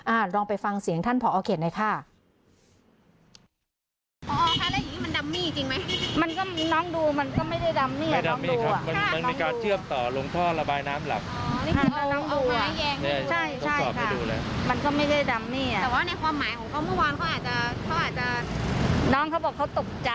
ลองไปฟังเสียงท่านผอเขตหน่อยค่ะ